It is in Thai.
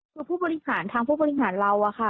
กับผู้บริฐานทางผู้บริฐานเรา